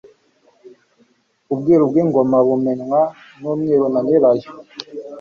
ubwiru bw'ingomabumenywa n'umwiru na nyirayo